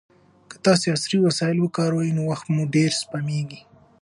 که تاسي عصري وسایل وکاروئ نو وخت مو ډېر سپمېږي.